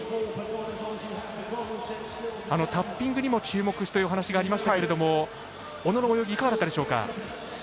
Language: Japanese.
タッピングにも注目というお話がありましたけれども小野の泳ぎいかがだったでしょうか。